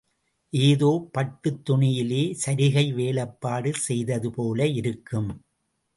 ஏதோ பட்டுத் துணியிலே சரிகை வேலைப்பாடு செய்தது போல இருக்கும்.